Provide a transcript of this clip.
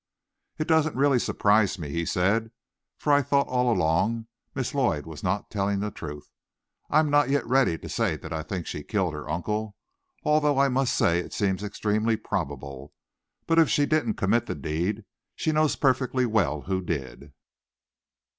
"It doesn't really surprise me," he said, "for I thought all along, Miss Lloyd was not telling the truth. I'm not yet ready to say that I think she killed her uncle, although I must say it seems extremely probable. But if she didn't commit the deed, she knows perfectly well who did."